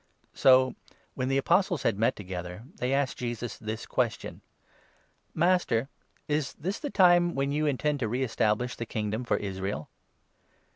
Ascension So, when the Apostles had met together, they 6 of Jesus, asked Jesus this question —" Master, is this the time when you intend to re establish the Kingdom for Israel